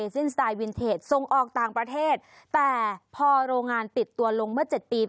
สไตล์วินเทจส่งออกต่างประเทศแต่พอโรงงานติดตัวลงเมื่อเจ็ดปี